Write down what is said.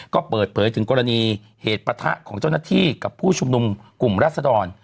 ก็เปิดเผยถึงกรณีเหตุปะทะของเจ้าหน้าที่กับผู้ชุมนุมกลุ่มรัศดร